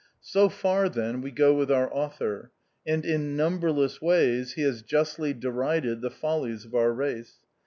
So far then we go with our author ; and in num berless ways he has justly derided the follies of our race.